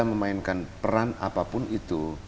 memainkan peran apapun itu